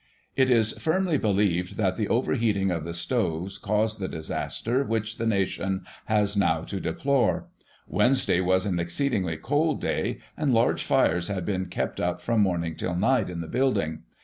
"It is firmly believed that the overheating of the stoves caused the disaster which the nation has now to deplore. Wednesday was an exceedingly cold day, and large fires had been kept up from morning till night in the building.